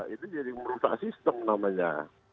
itu jadi merusak sistem namanya